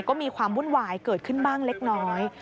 ก็มีความวุ่นวายเกิดขึ้นบ้างเล็กน้อย